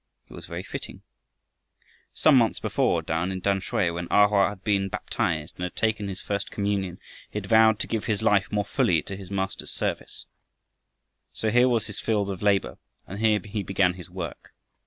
It was very fitting. Some months before, down in Tamsui, when A Hoa had been baptized and had taken his first communion, he had vowed to give his life more fully to his Master's service. So here was his field of labor, and here he began his work.